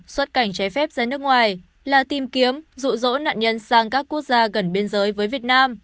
xuất cảnh trái phép ra nước ngoài là tìm kiếm rủ rỗ nạn nhân sang các quốc gia gần biên giới với việt nam